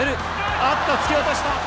あっと、突き落としだ。